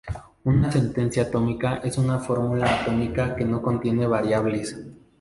Una sentencia atómica es una fórmula atómica que no contiene variables.